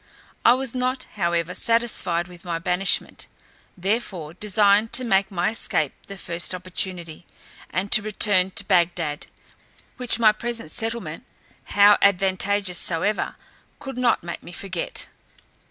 I was not, however, satisfied with my banishment, therefore designed to make my escape the first opportunity, and to return to Bagdad; which my present settlement, how advantageous soever, could not make me forget.